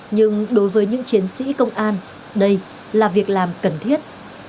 nhưng đối với những chiến sĩ công an đây là việc làm cần thiết